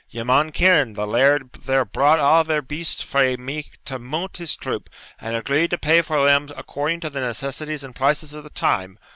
Ye maun ken, the laird there bought a' thir beasts frae me to munt his troop, and agreed to pay for them according to the necessities and prices of the time.